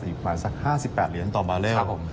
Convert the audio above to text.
อีกประมาณสัก๕๘เหรียญต่อบาเล